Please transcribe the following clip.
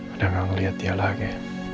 adalah nggak ngelihat dia lagi